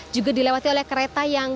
juga dilewati oleh kereta yang